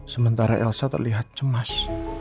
sementara elsa terlihat cemas